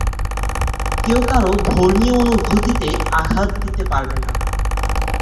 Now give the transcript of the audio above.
কেউ কারও ধর্মীয় অনুভূতিতে আঘাত দিতে পারবে না।